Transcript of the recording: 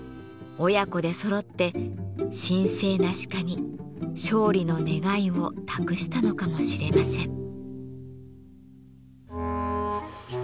親子でそろって神聖な鹿に勝利の願いを託したのかもしれません。